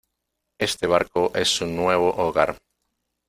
este barco es su nuevo hogar